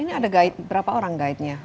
ini ada guide berapa orang guide nya